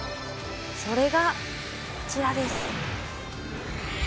それがこちらです。